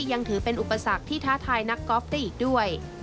ยังถือเป็นอุปสรรคที่ท้าทายนักกอล์ฟได้อีกด้วย